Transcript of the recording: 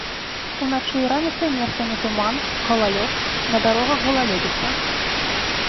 Уначы і раніцай месцамі туман, галалёд, на дарогах галалёдзіца.